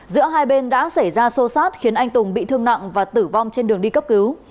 giữa hai bên đã xảy ra xô xát khiến anh tùng bị thương nặng và tử vong trên đường đi cấp cứu